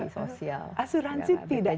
sosial asuransi tidak